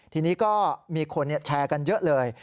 ทีนี้ก็มีคนแชร์กันเยอะเลย